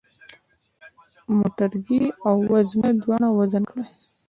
موټرګی او وزنه دواړه وزن کړئ.